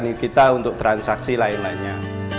ini kita untuk transaksi lain lainnya